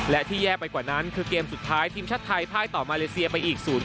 และที่แย่ไปกว่านั้นคือเกมสุดท้ายทีมชาติไทยพ่ายต่อมาเลเซียไปอีก๐